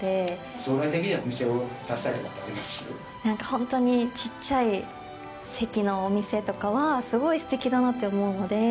将来的にはお店を出したいとなんか本当にちっちゃい席のお店とかはすごいすてきだなと思うので。